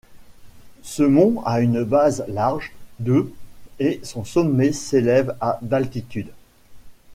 Ce mont a une base large de et son sommet s'élève à d'altitude.